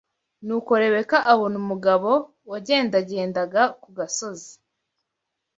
Nuko Rebeka abona umugabo wagendagendaga ku gasozi